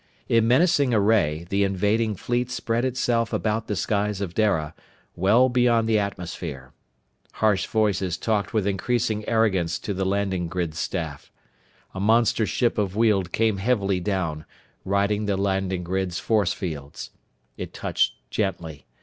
In menacing array, the invading fleet spread itself about the skies of Dara, well beyond the atmosphere. Harsh voices talked with increasing arrogance to the landing grid staff. A monster ship of Weald came heavily down, riding the landing grid's force fields. It touched gently.